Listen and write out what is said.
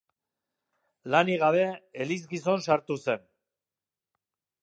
Lanik gabe, elizgizon sartu zen.